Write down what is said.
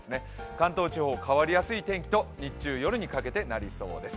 関東地方、変わりやすい天気と、日中、夜にかけてなりそうです。